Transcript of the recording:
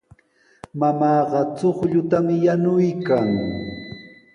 Mamaaqa chuqllutami yanuykan.